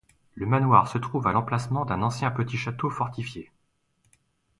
Le manoir se trouve à l'emplacement d'une ancien petit château fortifié.